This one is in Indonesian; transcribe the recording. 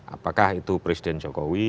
apakah itu presiden jokowi